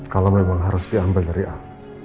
kalau memang harus diambil dari a